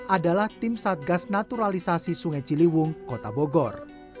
adalah tim satgas naturalisasi sungai ciliwung kota bogor